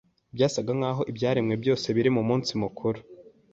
Byasaga naho ibyaremwe byose biri mu munsi mukuru.